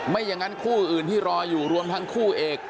ไม่อย่างนั้นคู่อื่นที่รออยู่รวมทั้งคู่เอก